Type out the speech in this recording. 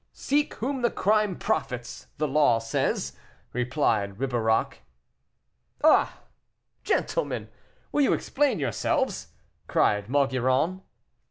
"'Seek whom the crime profits,' the law says," replied Ribeirac. "Ah! gentlemen, will you explain yourselves?" cried Maugiron.